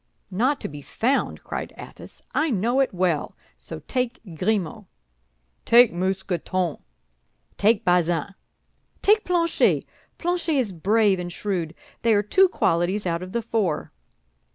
"Not to be found!" cried Athos. "I know it well, so take Grimaud." "Take Mousqueton." "Take Bazin." "Take Planchet. Planchet is brave and shrewd; they are two qualities out of the four."